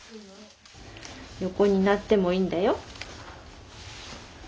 横になってもいいんだよ。